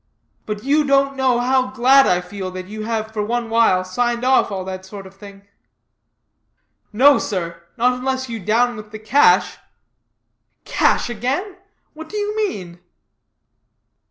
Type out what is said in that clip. But you don't know how glad I feel that you have for one while signed off all that sort of thing." "No, sir; not unless you down with the cash." "Cash again! What do you mean?"